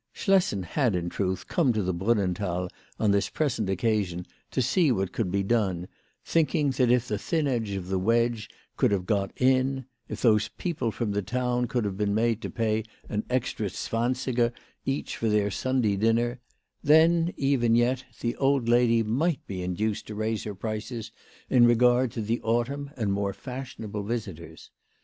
Schlessen had, in truth, come to the Brunnenthal on this present occasion to see what would be done, thinking that if the thin edge of the wedge could have been got in, if those people from the town could have been made to pay an extra zwansiger each for their Sunday dinner, then, even yet, the old lady might WHY FRAU FROHMANN RAISED HER PRICES. 35 be induced to raise her prices in regard to the autumn and more fashionable visitors.